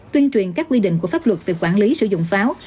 tuyên truyền các quy định của pháp luật về quản lý sử dụng pháo